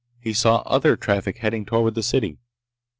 He saw other traffic heading toward the city.